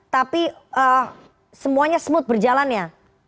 tapi semuanya smooth berjalannya